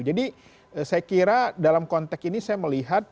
jadi saya kira dalam konteks ini saya melihat